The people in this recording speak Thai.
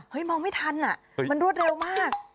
มองไม่ทันอ่ะมันรวดเร็วมาก